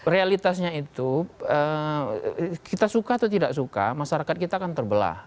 realitasnya itu kita suka atau tidak suka masyarakat kita akan terbelah